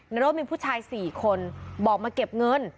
ในรถมีผู้ชาย๔คนบอกมาเก็บเงิน